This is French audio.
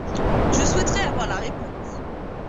Je souhaiterais avoir la réponse.